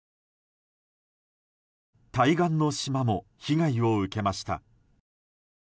対岸の島も被害を受けました。